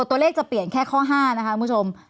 ตัวเลขจะเปลี่ยนแค่ข้อ๕นะคะคุณผู้ชม